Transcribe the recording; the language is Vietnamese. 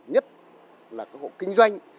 nhất là các hộ kinh doanh